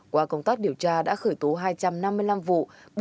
qua công tác điều tra đã khởi tố hai trăm năm mươi năm vụ